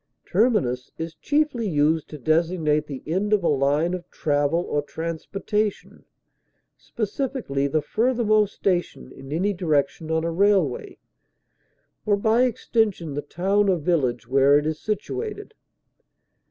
Terminus is chiefly used to designate the end of a line of travel or transportation: specifically, the furthermost station in any direction on a railway, or by extension the town or village where it is situated.